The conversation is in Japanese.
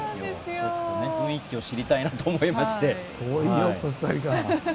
雰囲気を知りたいなと思いまして。